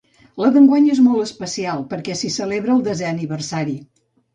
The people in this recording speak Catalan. La d’enguany és molt especial perquè s’hi celebra el desè aniversari.